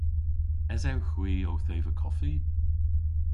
Esewgh hwi owth eva koffi?